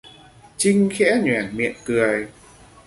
Trinh khẽ nhoẻn miệng cười